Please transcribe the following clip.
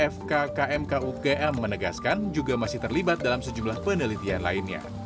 fkkmkugm menegaskan juga masih terlibat dalam sejumlah penelitian lainnya